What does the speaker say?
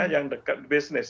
yang dekat bisnis